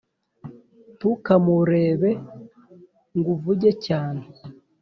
Ntukamurebe nguvuge cyane